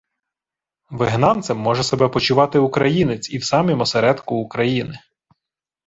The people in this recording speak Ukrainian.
Вигнанцем може себе почувати Українець і в самім осередку України…